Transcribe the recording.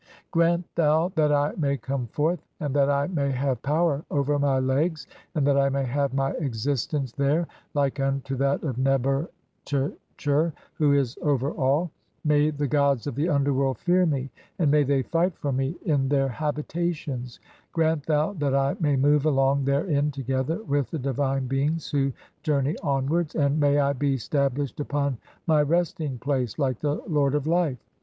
Grant thou that I may come forth, and that I may have "power over my legs, and that I may have my existence there "like (8) unto that of Neb er tcher who is over [all]. May the "gods of the underworld fear me, and may they fight for me in 1 34 THE CHAPTERS OF COMING FORTH BY DAY. "their habitations. Grant thou that I may move along therein "(9) together with the divine beings who journey onwards, and "may I be stablished upon my resting place like the Lord of "Life.